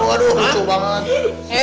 aduh lucu banget